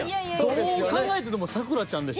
どう考えても咲楽ちゃんでしょ。